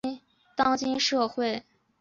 当今社会